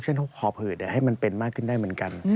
พวกหอบหืดให้มันเป็นมากขึ้นได้เหมือนกัน